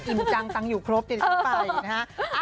อิมจังตั้งอยู่ครบ๗๐ไปนะฮะ